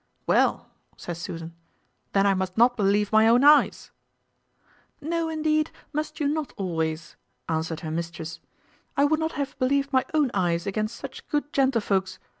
"Well," says Susan, "then I must not believe my own eyes." "No, indeed, must you not always," answered her mistress; "I would not have believed my own eyes against such good gentlefolks.